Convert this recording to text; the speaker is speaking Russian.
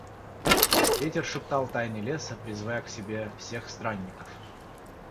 Ветер шептал тайны леса, призывая к себе всех странников.